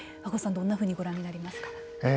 和合さんはどんなふうにご覧になりますか。